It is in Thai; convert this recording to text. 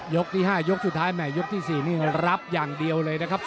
ที่๕ยกสุดท้ายแห่ยกที่๔นี่รับอย่างเดียวเลยนะครับ